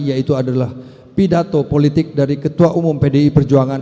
yaitu adalah pidato politik dari ketua umum pdi perjuangan